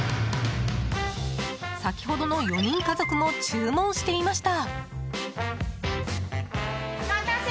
先ほどの４人家族も注文していました。